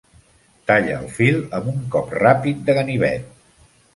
Talla el fil amb un cop ràpid de ganivet.